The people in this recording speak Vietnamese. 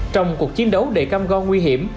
trong cuộc chiến đấu đầy cam go nguy hiểm